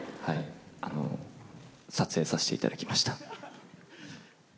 撮影させていただきました。